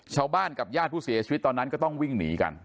ชาวบ้านกับญาติผู้เสียชีวิตตอนนั้นก็ต้องวิ่งหนีกัน